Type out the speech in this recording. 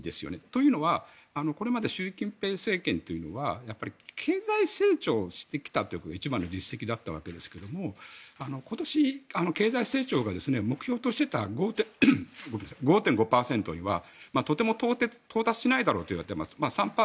というのはこれまで習近平政権というのは経済成長してきたことが一番の実績だったわけですが今年、経済成長が目標としていた５．５％にはとても到達しないだろうといわれています。